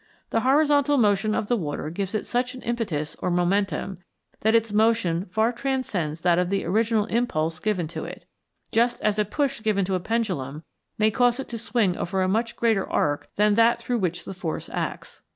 The horizontal motion of the water gives it such an impetus or momentum that its motion far transcends that of the original impulse given to it, just as a push given to a pendulum may cause it to swing over a much greater arc than that through which the force acts.